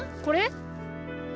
これ？